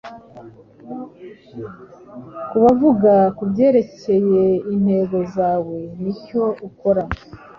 kuvuga kubyerekeye intego zawe nicyo ukora